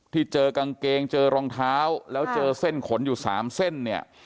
ที่เจอกางเกงเจอรองเท้าแล้วเจอเส้นขนอยู่๓เส้นเนี่ย